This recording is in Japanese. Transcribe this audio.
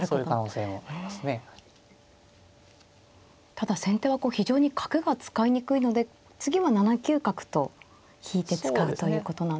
ただ先手はこう非常に角が使いにくいので次は７九角と引いて使うということなんですね。